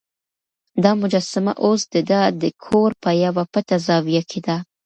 دا مجسمه اوس د ده د کور په یوه پټه زاویه کې ده.